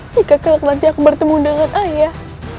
jika nanti aku bertemu dengan ayah